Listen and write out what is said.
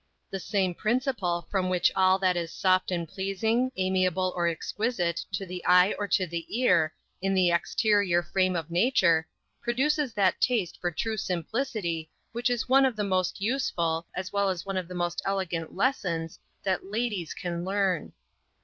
The same principle from which all that is soft and pleasing, amiable or exquisite, to the eye or to the ear, in the exterior frame of nature, produces that taste for true simplicity, which is one of the most useful, as well as the most elegant lessons, that ladies can learn.